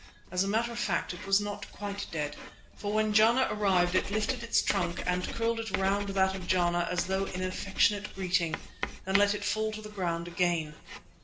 As a matter of fact it was not quite dead, for when Jana arrived it lifted its trunk and curled it round that of Jana as though in affectionate greeting, then let it fall to the ground again.